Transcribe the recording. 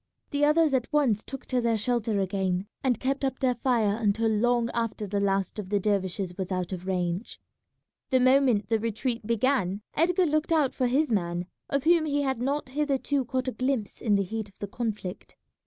The others at once took to their shelter again, and kept up their fire until long after the last of the dervishes was out of range. The moment the retreat began Edgar looked out for his man, of whom he had not hitherto caught a glimpse in the heat of the conflict.